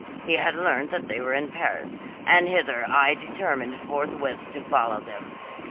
He had learnt that they were in Paris, and hither I determined forthwith to follow them.